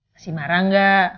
masih marah gak